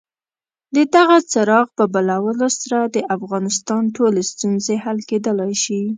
د دغه څراغ په بلولو سره د افغانستان ټولې ستونزې حل کېدلای شي.